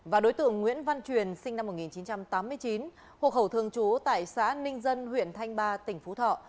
và đối tượng nguyễn văn truyền sinh năm một nghìn chín trăm tám mươi chín hộ khẩu thường trú tại xã ninh dân huyện thanh ba tỉnh phú thọ